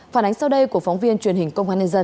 phản ánh sau đây của phóng viên truyền hình công an nhân dân